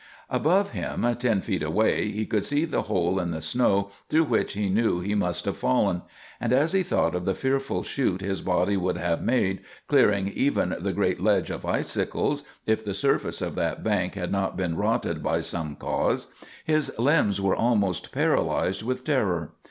Above him, ten feet away, he could see the hole in the snow through which he knew he must have fallen; and as he thought of the fearful shoot his body would have made, clearing even the great ledge of icicles, if the surface of that bank had not been rotted by some cause, his limbs were almost paralyzed with terror.